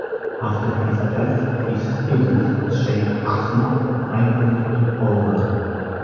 After his death, his student, Sheikh Ahmad primarily took over.